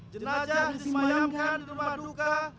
jenazah disemayamkan di rumah duka